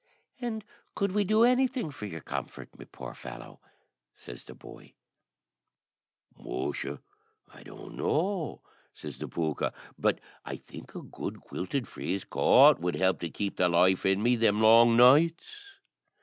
"And could we do anything for your comfort, my poor fellow?" says the boy. "Musha, I don't know," says the pooka; "but I think a good quilted frieze coat would help to keep the life in me them long nights."